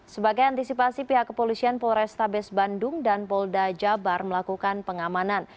sebagai antisipasi pihak kepolisian polrestabes bandung dan polda jabar melakukan pengamanan